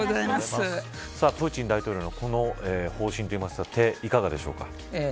プーチン大統領のこの方針というかいかがでしょうか。